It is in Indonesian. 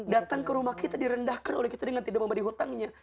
datang ke rumah kita direndahkan oleh kita dengan tidak memberi hutangnya